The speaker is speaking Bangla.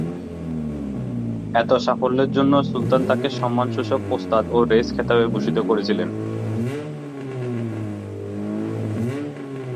এতে সাফল্যের জন্য সুলতান তাকে সম্মানসূচক উস্তাদ ও রেইস খেতাবে ভূষিত করেছিলেন।